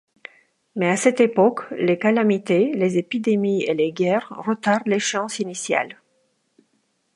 Mais à cette époque, les calamités, les épidémies et les guerres retardent l’échéance initiale.